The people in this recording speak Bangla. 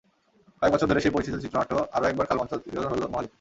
কয়েক বছর ধরে সেই পরিচিত চিত্রনাট্য আরও একবার কাল মঞ্চায়িত হলো মোহালিতে।